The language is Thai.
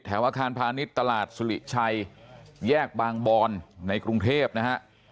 อาคารพาณิชย์ตลาดสุริชัยแยกบางบอนในกรุงเทพนะฮะ